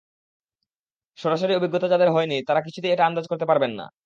সরাসরি অভিজ্ঞতা যাদের হয়নি, তারা কিছুতেই এটা আন্দাজ করতে পারবেন না।